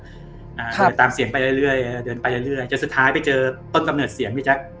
เดินตามเสียงไปเรื่อยเดินไปเรื่อยจนสุดท้ายไปเจอต้นกำเนิดเสียงพี่แจ๊ค